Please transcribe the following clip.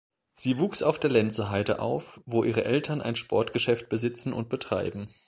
Sie wuchs auf der Lenzerheide auf, wo ihre Eltern ein Sportgeschäft besitzen und betreiben.